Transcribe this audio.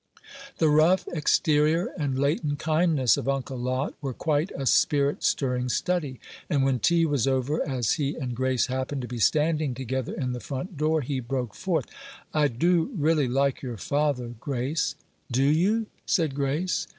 The rough exterior and latent kindness of Uncle Lot were quite a spirit stirring study; and when tea was over, as he and Grace happened to be standing together in the front door, he broke forth, "I do really like your father, Grace!" "Do you?" said Grace.